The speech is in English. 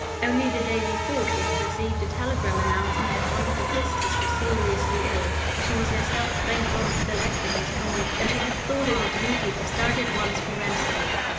Only the day before she had received a telegram announcing that one of her sisters was seriously ill. She was herself thank God, still active and strong, and she had thought it her duty to start at once for Ramsgate.